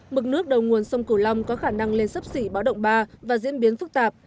mực nước đầu nguồn sông cửu long có khả năng lên sấp xỉ báo động ba và diễn biến phức tạp